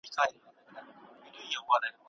قناعت د شتمنۍ اصلي بنیاد دی.